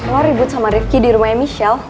lo ribut sama rifki di rumahnya michelle